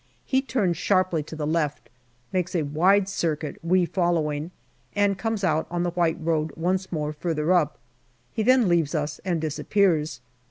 He turns sharply to the left, makes a wide circuit, we following, and comes out on the white road once more farther up. He then leaves us and disappears.